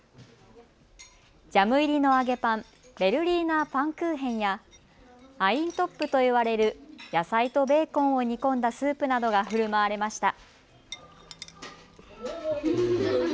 ジャム入りの揚げパンベルリーナー・プァンクーヘンやアイントップと言われる野菜とベーコンを煮込んだスープなどがふるまわれました。